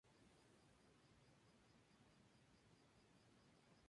Un hombre puede, con dignidad y torrencial majestuosidad, bailar.